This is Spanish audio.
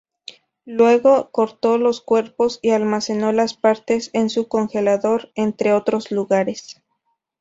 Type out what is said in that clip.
Luego cortó los cuerpos y almacenó las partes en su congelador, entre otros lugares.